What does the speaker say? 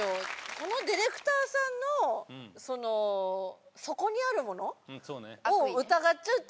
このディレクターさんのそのそこにあるものを疑っちゃうっていうか。